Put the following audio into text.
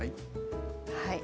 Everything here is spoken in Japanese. はい。